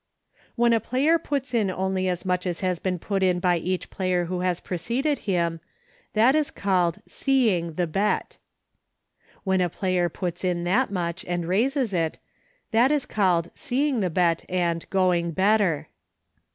When a player puts in only as much as has been put in by each player who has preceded him, that is called " seeing " the bet. When a player puts in that much, and raises it, that is called seeing the bet and " going better."